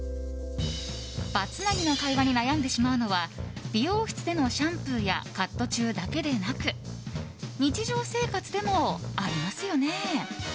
場つなぎの会話に悩んでしまうのは美容室でのシャンプーやカット中だけでなく日常生活でもありますよね？